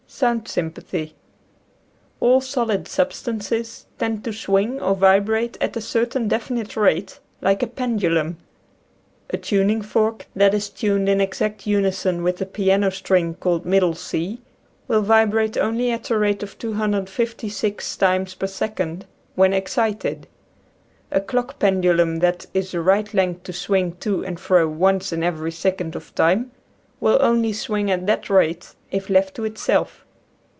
SOUND SYMPATHY. All solid substances tend to swing or vibrate at a certain definite rate, like a pendulum. A tuning fork tbat is tuned in exact unison with the piano string called middle C, will vibrate only at the rate of 256 times per second when excited. A clock pendulum that is the right length to swing to and fro once in every second of time will only swing at that rate, if left to itself.